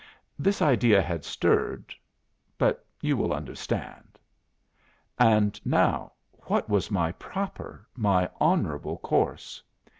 This idea had stirred but you will understand. And now, what was my proper, my honourable course?